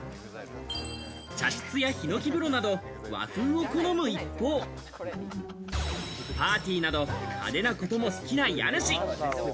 茶室やヒノキ風呂など、和風を好む一方、パーティーなど派手なことも好きな家主。